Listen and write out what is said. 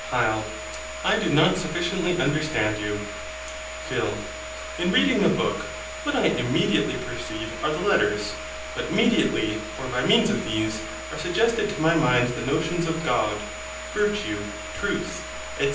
HYL. I do not sufficiently understand you. PHIL. In reading a book, what I immediately perceive are the letters; but mediately, or by means of these, are suggested to my mind the notions of God, virtue, truth, &c.